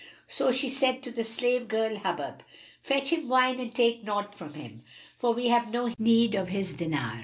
So she said to the slave girl Hubub, "Fetch him wine and take naught from him, for we have no need of his dinar."